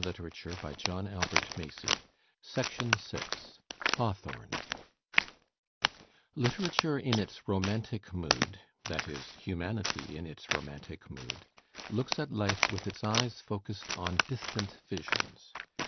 Digitized by Google CHAPTER V HAWTHORNE LiTERATUBE in its romantic mood, that is, humanity in its romantic mood, looks at life with its eyes focused on distant Visions.